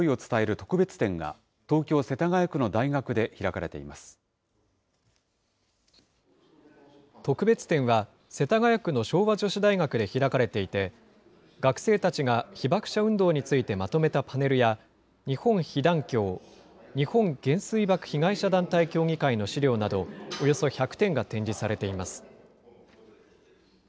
特別展は、世田谷区の昭和女子大学で開かれていて、学生たちが被爆者運動についてまとめたパネルや、日本被団協・日本原水爆被害者団体協議会の資料など、およそ１００点が展示されています。